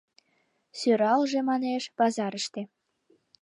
— Сӧралже, манеш, пазарыште.